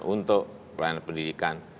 untuk pelayanan pendidikan